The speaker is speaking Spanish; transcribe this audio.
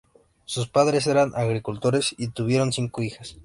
Sus padres eran agricultores y tuvieron cinco hijas.